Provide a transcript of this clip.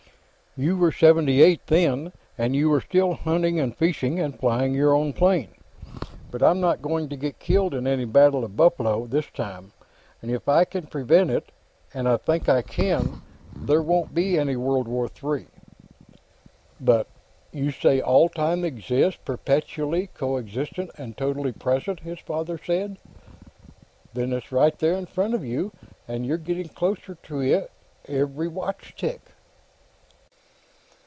You were seventy eight, then, and you were still hunting, and fishing, and flying your own plane. But I'm not going to get killed in any Battle of Buffalo, this time, and if I can prevent it, and I think I can, there won't be any World War III." "But You say all time exists, perpetually coexistent and totally present," his father said. "Then it's right there in front of you, and you're getting closer to it, every watch tick."